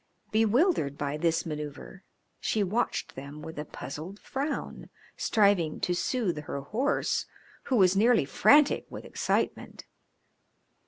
Bewildered by this manoeuvre she watched them with a puzzled frown, striving to soothe her horse, who was nearly frantic with excitement.